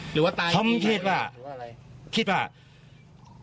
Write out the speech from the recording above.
หรือว่าตายอย่างไรหรือว่าอะไรหรือว่าอะไรคิดว่าผมคิดว่า